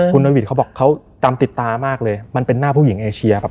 คุณนวิทย์เขาบอกเขาจำติดตามากเลยมันเป็นหน้าผู้หญิงเอเชียครับ